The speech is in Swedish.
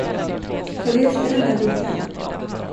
Följ efter den där bilen.